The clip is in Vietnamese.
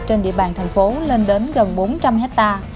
trên địa bàn thành phố lên đến gần bốn trăm linh hectare